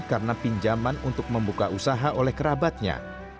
karena pinjaman untuk membuka usaha oleh kerabatnya